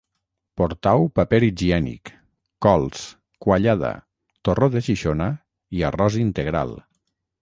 Portau paper higiènic, cols, quallada, torró de Xixona i arròs integral